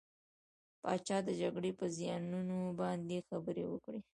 پاچا د جګرې په زيانونو باندې خبرې وکړې .